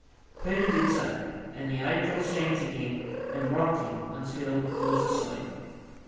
Peter did so, and the angel sang to him and rocked him until he was al seep.